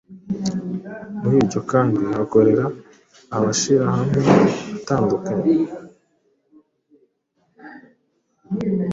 Muri iryo kambi, hakorera amashirahamwe atandukanye,